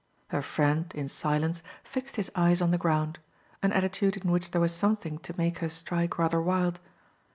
Her friend, in silence, fixed his eyes on the ground; an attitude in which there was something to make her strike rather wild.